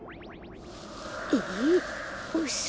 えっうそ！？